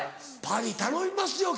パリ頼みますよ